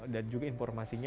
dan juga informasinya